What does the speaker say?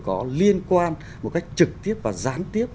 có liên quan một cách trực tiếp và gián tiếp